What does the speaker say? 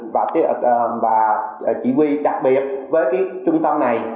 và chỉ huy đặc biệt với cái trung tâm này